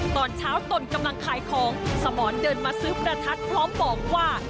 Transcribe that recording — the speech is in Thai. ตอนเช้าตนกำลังขายของสมรเดินมาซื้อประทัดพร้อมบอกว่า